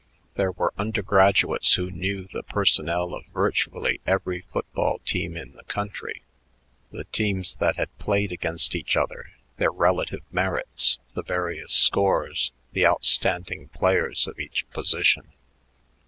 There were undergraduates who knew the personnel of virtually every football team in the country, the teams that had played against each other, their relative merits, the various scores, the outstanding players of each position.